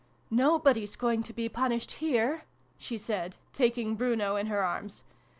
" Nobody's going to be punished here !" she said, taking Bruno in her arms.